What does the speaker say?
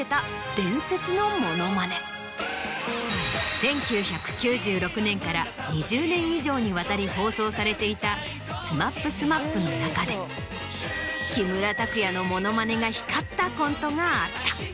１９９６年から２０年以上にわたり放送されていた『ＳＭＡＰ×ＳＭＡＰ』の中で木村拓哉の。があった。